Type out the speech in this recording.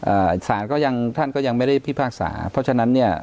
สารก็ยังท่านก็ยังไม่ได้พิพากษาเพราะฉะนั้นเนี้ย